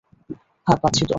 হ্যাঁ পাচ্ছি তো।